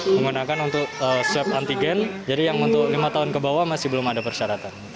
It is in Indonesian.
menggunakan untuk swab antigen jadi yang untuk lima tahun ke bawah masih belum ada persyaratan